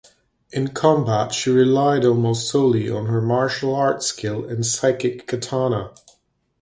In combat she relied almost solely on her martial arts skill and psychic katana.